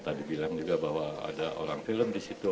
tadi bilang juga bahwa ada orang film di situ